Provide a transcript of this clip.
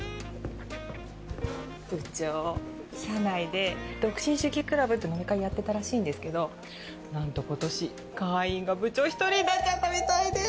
部長社内で「独身主義クラブ」って飲み会やってたらしいんですけどなんと今年会員が部長１人になっちゃったみたいで！